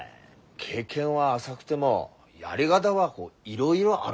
経験は浅くてもやり方はいろいろあるっつうんだ。